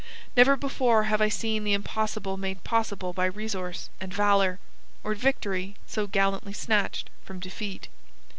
Never before have I seen the impossible made possible by resource and valour, or victory so gallantly snatched from defeat."